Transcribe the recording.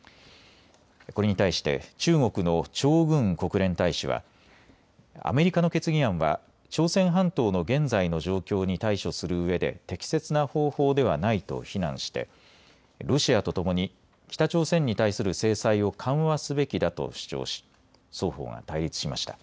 これに対して中国の張軍国連大使はアメリカの決議案は朝鮮半島の現在の状況に対処するうえで適切な方法ではないと非難してロシアとともに北朝鮮に対する制裁を緩和すべきだと主張し双方が対立しました。